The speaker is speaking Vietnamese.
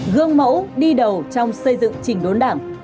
gương mẫu đi đầu trong xây dựng trình đốn đảng